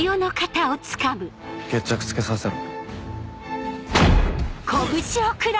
決着つけさせろ。